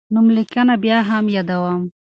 نوملیکنه بیا هم یادوم.